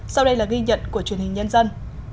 sau đây là ghi nhận của truyền hình nhân dân